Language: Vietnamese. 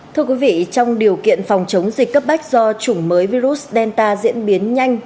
thưa quý vị trong điều kiện phòng chống dịch cấp bách do chủng mới virus delta diễn biến nhanh